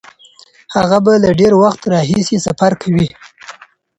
هغه به له ډیر وخت راهیسې سفر کوي.